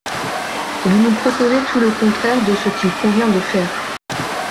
Vous nous proposez tout le contraire de ce qu’il convient de faire.